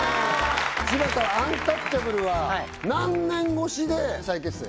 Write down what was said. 柴田アンタッチャブルは何年越しで再結成？